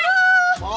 ya toh lu